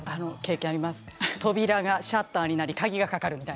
扉がシャッターになり鍵がかかる。